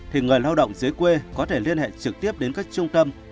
thì người lao động dưới quê có thể liên hệ trực tiếp đến các trung tâm